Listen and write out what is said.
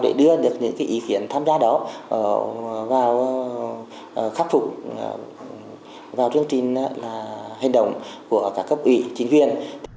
để đưa được những cái ý kiến tham gia đó vào khắc phục vào chương trình là hành động của các cấp ủy chính viên